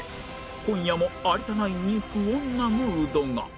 今夜も有田ナインに不穏なムードが